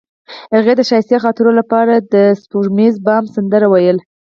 هغې د ښایسته خاطرو لپاره د سپوږمیز بام سندره ویله.